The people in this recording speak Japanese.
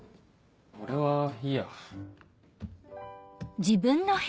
俺はいいや。